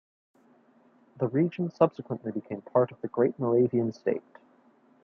The region subsequently became part of the Great Moravian state.